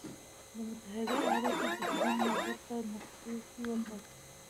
د متحد ایالاتو د جهیلونو موقعیت په نقشې کې وټاکئ.